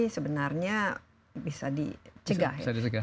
sebenarnya bisa dicegah ya